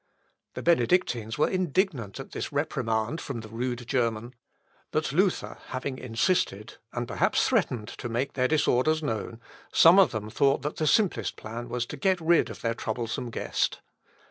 The Benedictines were indignant at this reprimand from the rude German, but Luther having insisted, and perhaps threatened to make their disorders known, some of them thought that the simplest plan was to get rid of their troublesome guest.